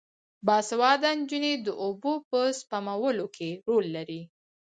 باسواده نجونې د اوبو په سپمولو کې رول لري.